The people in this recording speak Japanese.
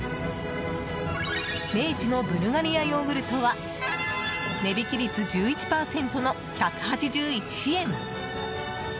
明治のブルガリアヨーグルトは値引き率１１％の１８１円。